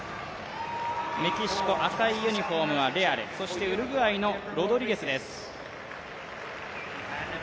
メキシコ、赤いユニフォームはレアル、そしてウルグアイのロドリゲスです。